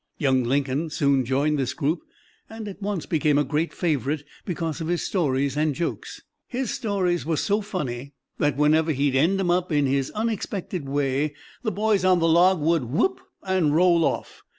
Young Lincoln soon joined this group and at once became a great favorite because of his stories and jokes. His stories were so funny that "whenever he'd end 'em up in his unexpected way the boys on the log would whoop and roll off."